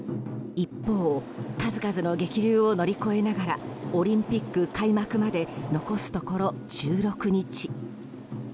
一方、数々の激流を乗り越えながらオリンピック開幕まで残すところ１６日。